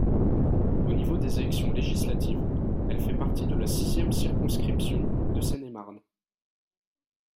Au niveau des élections législatives, elle fait partie de la sixième circonscription de Seine-et-Marne.